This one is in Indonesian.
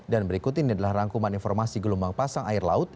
dan berikut ini adalah rangkuman informasi gelombang pasang air laut